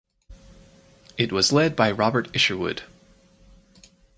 It was led by Robert Isherwood.